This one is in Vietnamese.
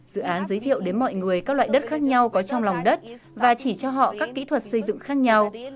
dự án giới thiệu đến mọi người các loại đất khác nhau có trong lòng đất và chỉ cho họ các kỹ thuật xây dựng khác nhau